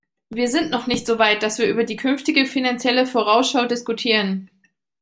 Wir sind noch nicht so weit, dass wir über die künftige finanzielle Vorausschau diskutieren.